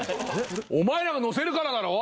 お前らがのせるからだろ！